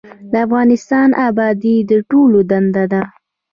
د افغانستان ابادي د ټولو دنده ده